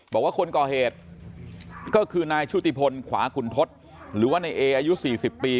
บอกว่าคนก่อเหตุก็คือนายชุติพลขวาขุนทศหรือว่านายเออายุ๔๐ปี